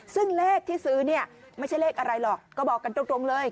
ซึ่งเลขที่ซื้อเนี่ยไม่ใช่เลขอะไรหรอกก็บอกกันตรงเลย